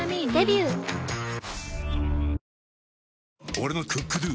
俺の「ＣｏｏｋＤｏ」！